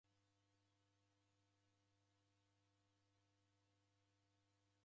W'ana w'engi w'alola chia ya mapato.